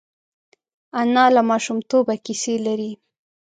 انا له ماشومتوبه کیسې لري